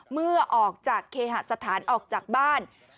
เมื่อออกจากเคหสถานออกจากบ้าน